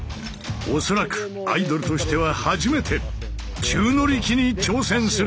恐らくアイドルとしては初めて宙乗り機に挑戦する！